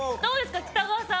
北川さん